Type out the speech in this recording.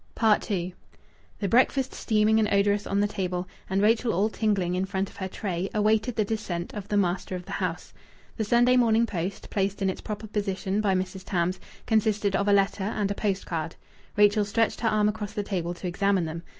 II The breakfast steaming and odorous on the table, and Rachel all tingling in front of her tray, awaited the descent of the master of the house. The Sunday morning post, placed in its proper position by Mrs. Tams, consisted of a letter and a post card. Rachel stretched her arm across the table to examine them.